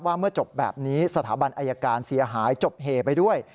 เมื่อจบแบบนี้สถาบันอายการเสียหายจบเหไปด้วย